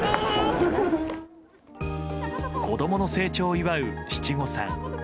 子供の成長を祝う七五三。